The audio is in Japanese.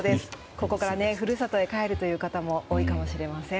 ここから故郷へ帰るという方も多いかもしれません。